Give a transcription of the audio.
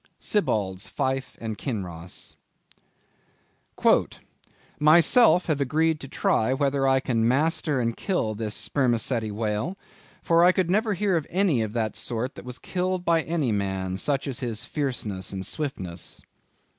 —Sibbald's Fife and Kinross. "Myself have agreed to try whether I can master and kill this Sperma ceti whale, for I could never hear of any of that sort that was killed by any man, such is his fierceness and swiftness."